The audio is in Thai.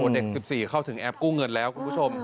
เด็ก๑๔เข้าถึงแอปกู้เงินแล้วคุณผู้ชม